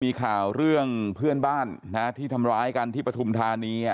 มีข่าวเรื่องเพื่อนบ้านที่ทำร้ายกันที่ปฐุมธานี